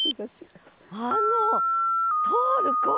あの通る声。